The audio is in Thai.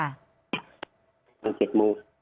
ประมาณ๗โมง